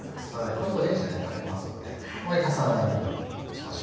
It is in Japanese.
この後レンジでかけますのであまり重ならないようにしましょう。